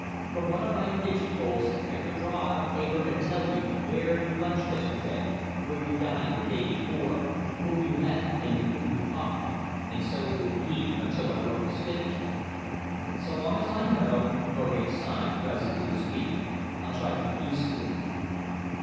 From one of my pigeonholes I could draw out a paper and tell you where you lunched yesterday, where you dined the day before, whom you met and with whom you talked, and so it will be until our work is finished." "So long as I know," Norgate sighed, rising to his feet, "I'll try to get used to him."